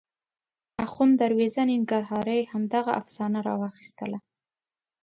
اخوند دروېزه ننګرهاري همدغه افسانه راواخیستله.